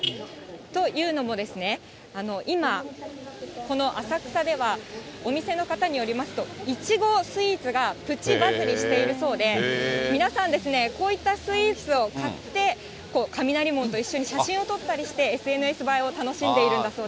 というのもですね、今、この浅草では、お店の方によりますと、イチゴスイーツがプチバズりしているそうで、皆さんですね、こういったスイーツを買って、雷門と一緒に写真を撮ったりして、ＳＮＳ映えを楽しんでいるんだそ